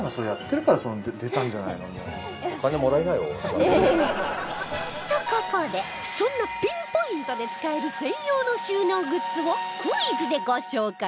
とここでそんなピンポイントで使える専用の収納グッズをクイズでご紹介